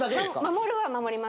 守るは守ります。